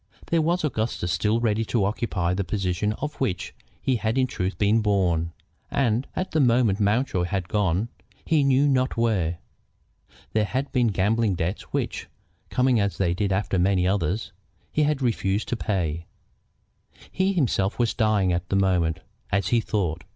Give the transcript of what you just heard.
There was Augustus still ready to occupy the position to which he had in truth been born. And at the moment Mountjoy had gone he knew not where. There had been gambling debts which, coming as they did after many others, he had refused to pay. He himself was dying at the moment, as he thought.